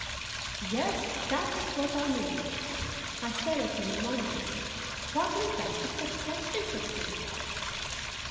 "Yes, that is what I mean." I stared at him in wonder. What lay back of such questions as these?